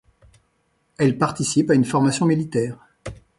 Elle participe à une formation militaire.